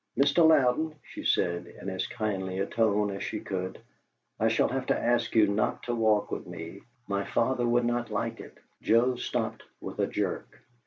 "Mr. Louden," she said, in as kindly a tone as she could, "I shall have to ask you not to walk with me. My father would not like it." Joe stopped with a jerk.